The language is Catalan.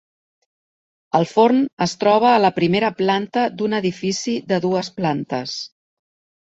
El forn es troba a la primera planta d'un edifici de dues plantes.